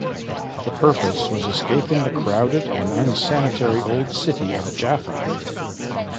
The purpose was escaping the crowded and unsanitary Old City of Jaffa.